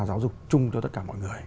giáo dục chung cho tất cả mọi người